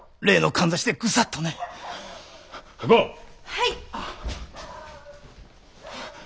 はい。